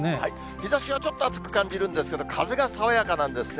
日ざしがちょっと暑く感じるんですけど、風が爽やかなんですね。